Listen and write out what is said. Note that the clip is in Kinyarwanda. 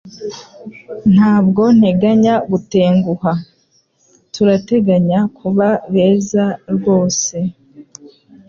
Ntabwo nteganya gutenguha. Turateganya kuba beza rwose,